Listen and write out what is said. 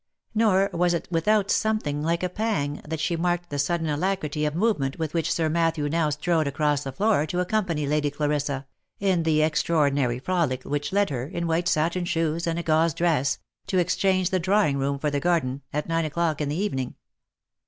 Nor was it without something like a pang that she marked the sudden alacrity of movement with which Sir Matthew now strode across the floor to accompany Lady Clarissa in the extraordinary frolic which led her, in white satin shoes and a gauze dress, to exchange the drawing room for the garden, at nine o'clock in the evening.